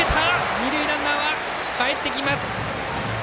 二塁ランナー、かえってきます。